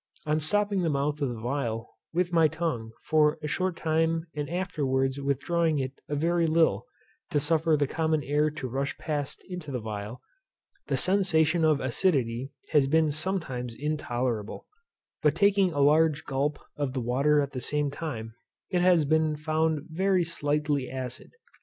On stopping the mouth of the phial with my tongue for a short time and afterwards withdrawing it a very little, to suffer the common air to rush past it into the phial, the sensation of acidity has been sometimes intolerable: but taking a large gulph of the water at the same time, it has been found very slightly acid.